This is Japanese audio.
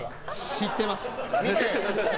知ってます。